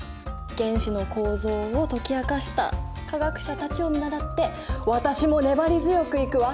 原子の構造を解き明かした科学者たちを見習って私も粘り強くいくわ。